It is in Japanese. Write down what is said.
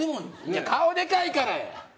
いや顔でかいからや！